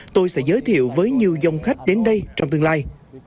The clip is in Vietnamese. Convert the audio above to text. tôi sẽ giới thiệu với nhiều dòng khách đến đây trong tương lai